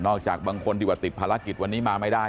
นอกจากบางคนที่ติดภารกิจไม่ได้